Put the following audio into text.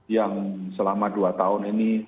yang selama dua tahun ini